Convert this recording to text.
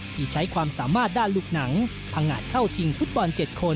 ที่ใช้ความสามารถด้านลูกหนังพังงะเข้าชิงฟุตบอล๗คน